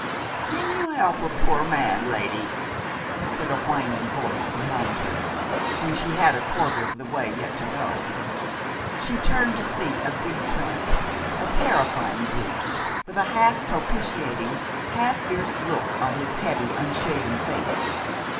"Can you help a poor man, lady?" said a whining voice behind her, when she had a quarter of the way yet to go. She turned to see a big tramp, a terrifying brute with a half propitiating, half fierce look on his heavy, unshaven face.